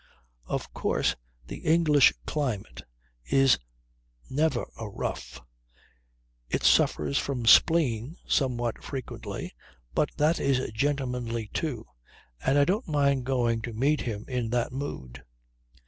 Of course the English climate is never a rough. It suffers from spleen somewhat frequently but that is gentlemanly too, and I don't mind going to meet him in that mood.